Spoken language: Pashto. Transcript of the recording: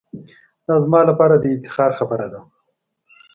دا زما لپاره دافتخار خبره ده.